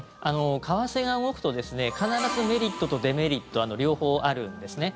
為替が動くと必ずメリットとデメリット両方あるんですね。